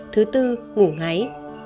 thứ tư ngủ ngáy